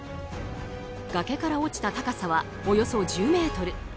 崖から落ちた高さはおよそ１０ｍ。